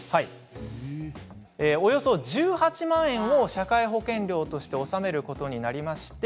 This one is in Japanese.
およそ１８万円を社会保険料として納めることになりまして